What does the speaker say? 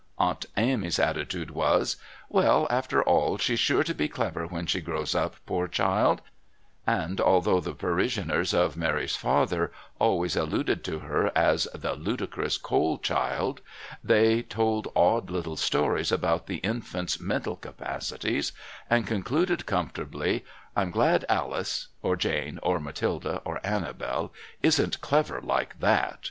Aunt Amy's attitude was: "Well, after all, she's sure to be clever when she grows up, poor child;" and although the parishioners of Mary's father always alluded to her as "the ludicrous Cole child," they told awed little stories about the infant's mental capacities, and concluded comfortably, "I'm glad Alice (or Jane or Matilda or Anabel) isn't clever like that.